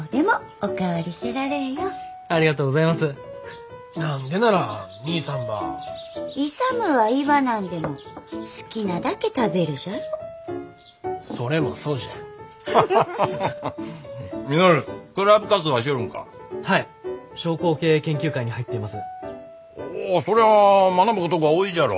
ほうそりゃあ学ぶことが多いじゃろ。